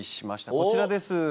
こちらです。